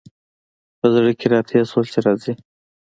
په زړه کي را تېر شول چي راځي !